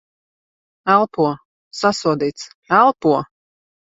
Elpo. Sasodīts. Elpo!